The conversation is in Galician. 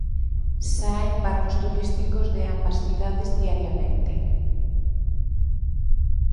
Saen barcos turísticos de ambas cidades diariamente.